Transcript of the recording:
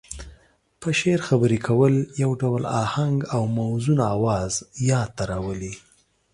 په شعر خبرې کول يو ډول اهنګ او موزون اواز ياد ته راولي.